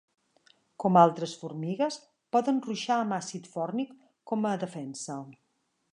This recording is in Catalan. Com altres formigues poden ruixar amb àcid fòrmic com a defensa.